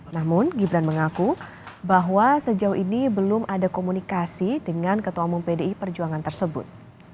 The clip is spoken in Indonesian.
namun gibran mengaku bahwa sejauh ini belum ada komunikasi dengan ketua umum pdi perjuangan tersebut